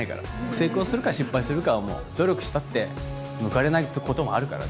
成功するか失敗するかは努力したって報われないってこともあるからね。